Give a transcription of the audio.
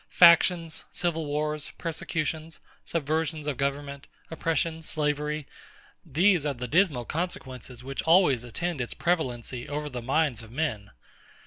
Factions, civil wars, persecutions, subversions of government, oppression, slavery; these are the dismal consequences which always attend its prevalency over the minds of men.